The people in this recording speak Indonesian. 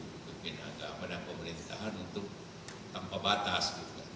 memimpin agama dan pemerintahan untuk tanpa batas